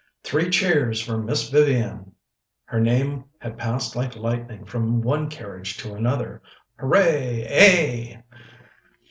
"Three cheers for Miss Vivian!" Her name had passed like lightning from one carriage to another. "Hooray ay."